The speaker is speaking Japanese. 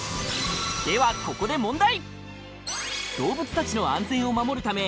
ではここで問題